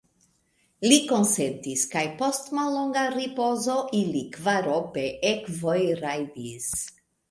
Li konsentis, kaj post mallonga ripozo ili kvarope ekvojrajdis.